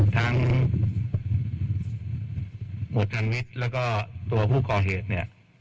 ทางหมวดทวันวิชและก็ตัวผู้กอเหตุเนี่ย